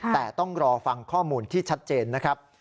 แต่ต้องรอฟังข้อมูลที่ชัดเจนนะครับ